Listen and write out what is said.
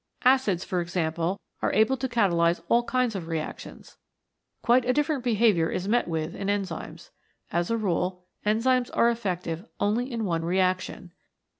Acids, for example, are able to catalyse all kinds of reactions. Quite a different behaviour is met with in enzymes. As a rule enzymes are effective only in one reaction.